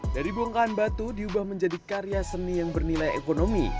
dari bongkahan batu diubah menjadi karya seni yang bernilai ekonomi